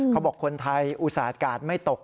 เขาบอกคนไทยอุตส่าหกาดไม่ตก